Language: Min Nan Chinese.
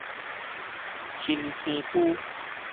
深坑區